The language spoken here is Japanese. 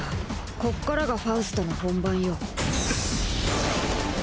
こっからがファウストの本番よ。